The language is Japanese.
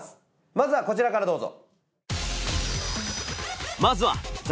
まずはこちらからどうぞ。